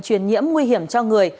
truyền nhiễm nguy hiểm cho người